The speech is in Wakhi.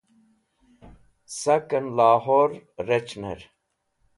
Saken Lahore Rec̃hner